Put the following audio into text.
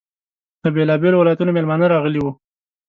له بېلابېلو ولایتونو میلمانه راغلي وو.